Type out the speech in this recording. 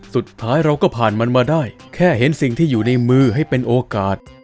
สุดท้ายเราก็ผ่านมันมาได้แค่เห็นสิ่งที่อยู่ในมือให้เป็นโอกาส